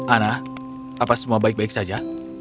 ana apa semua baik baik saja